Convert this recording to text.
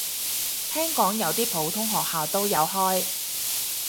聽講有啲普通學校都有開